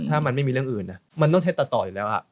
ถ้ามันไม่มีเรื่องอื่นมันต้องใช้ตัดต่ออยู่แล้ว